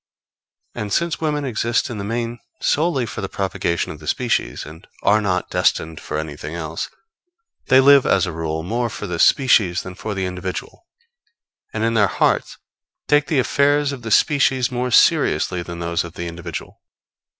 ] And since women exist in the main solely for the propagation of the species, and are not destined for anything else, they live, as a rule, more for the species than for the individual, and in their hearts take the affairs of the species more seriously than those of the individual.